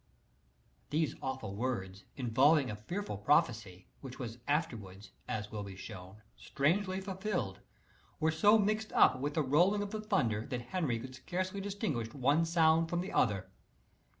These awful words, involving a fearful prophecy, which was afterwards, as will be shown, strangely fulfilled, were so mixed up with the rolling of the thunder that Henry could scarcely distinguish one sound from the other.